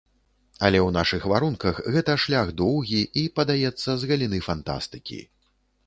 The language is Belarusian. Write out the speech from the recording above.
Але ў нашых варунках гэта шлях доўгі, і, падаецца, з галіны фантастыкі.